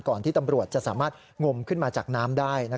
ที่ตำรวจจะสามารถงมขึ้นมาจากน้ำได้